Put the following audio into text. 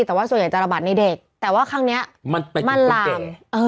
แต่ว่าส่วนใหญ่จะระบาดในเด็กแต่ว่าครั้งนี้มันลาม